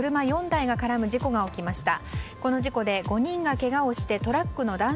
４台が絡む事故がありました。